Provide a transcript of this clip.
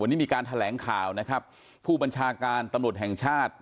วันนี้มีการแถลงข่าวนะครับผู้บัญชาการตำรวจแห่งชาติ